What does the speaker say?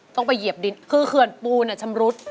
ต้องไปเหยียบดินคือเขื่อนปูเนี่ยชำรุด